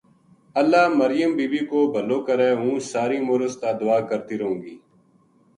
اللہ مریم بی بی کو بھَلو کرے ہوں ساری عمر اُس تا دُعا کرتی رہوں گی